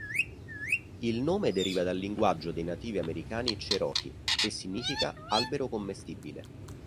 Il nome deriva dal linguaggio dei nativi americani Cherokee e significa "albero commestibile".